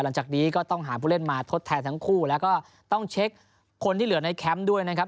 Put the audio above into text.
หลังจากนี้ก็ต้องหาผู้เล่นมาทดแทนทั้งคู่แล้วก็ต้องเช็คคนที่เหลือในแคมป์ด้วยนะครับ